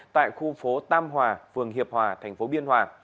tại khu phố tam hòa phường hiệp hòa thành phố biên hòa